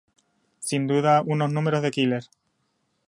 Sin duda unos números de Killer.